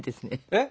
えっ？